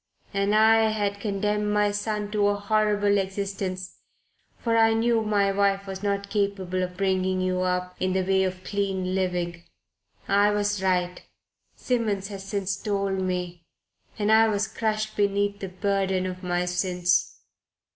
And I had condemned my son to a horrible existence for I knew my wife was not capable of bringing you up in the way of clean living. I was right. Simmons has since told me and I was crushed beneath the burden of my sins."